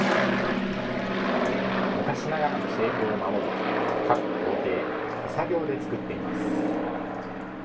昔ながらの製法を守り各工程、手作業で作っています。